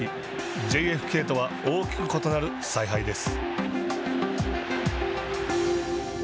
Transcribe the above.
ＪＦＫとは大きく異なる采配です。